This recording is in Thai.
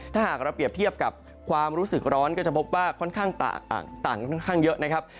ถ้าหากเราเปรียบเทียบกับความรู้สึกร้อนก็จะพบว่าค่อนข้างต่างค่อนข้างเยอะนะครับ